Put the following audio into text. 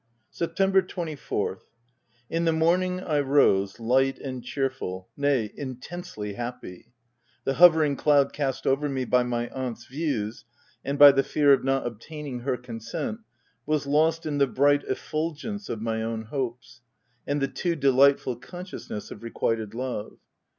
September 24th. — In the morning I rose, light and cheerful, nay, intensely happy. The hovering cloud cast over me by my aunt's views, and by the fear of not obtaining her consent, was lost in the bright effulgence of my own hopes, and the too delightful con sciousness of requited love.